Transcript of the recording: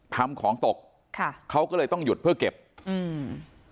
ทำของตกค่ะเขาก็เลยต้องหยุดเพื่อเก็บอืม